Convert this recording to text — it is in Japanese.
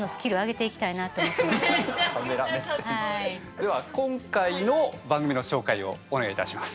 では今回の番組の紹介をお願いいたします。